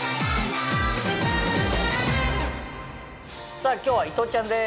さぁ今日は伊藤ちゃんです。